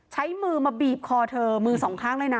ใช้มือมาบีบคอเธอมือสองข้างเลยนะ